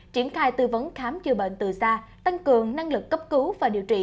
triển khai tư vấn khám chữa bệnh từ xa tăng cường năng lực cấp cứu và điều trị